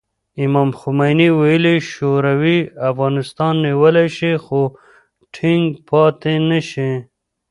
امام خمیني ویلي، شوروي افغانستان نیولی شي خو ټینګ پاتې نه شي.